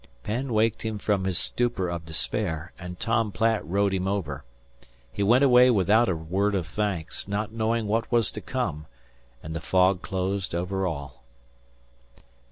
Penn waked him from his stupor of despair, and Tom Platt rowed him over. He went away without a word of thanks, not knowing what was to come; and the fog closed over all.